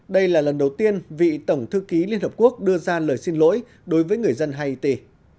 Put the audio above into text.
đây là lần đầu tiên vị tổng thư ký liên hợp quốc đưa ra lời xin lỗi đối với người dân haiti